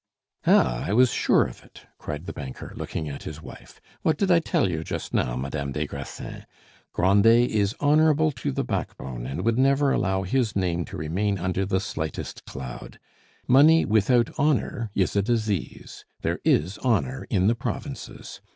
"Ah! I was sure of it," cried the banker, looking at his wife. "What did I tell you just now, Madame des Grassins? Grandet is honorable to the backbone, and would never allow his name to remain under the slightest cloud! Money without honor is a disease. There is honor in the provinces!